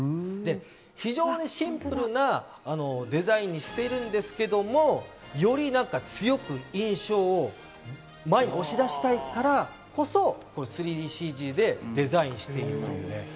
非常にシンプルなデザインにしているんですけれども、より強く印象を前に押し出したいからこそ３ＤＣＧでデザインしているんですよ。